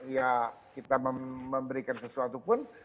ya kita memberikan sesuatu pun